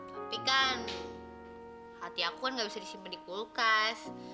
tapi kan hati aku kan gak bisa disimpan di kulkas